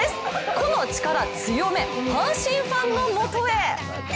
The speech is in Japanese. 個のチカラ強め阪神ファンのもとへ。